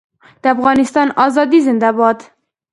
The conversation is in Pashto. د افغانستان ازادي زنده باد.